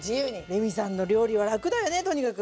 レミさんの料理は楽だよねとにかく。